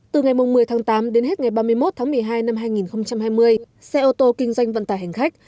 từ ngày một mươi tháng tám đến hết ngày ba mươi một tháng một mươi hai năm hai nghìn hai mươi xe ô tô kinh doanh vận tải hành khách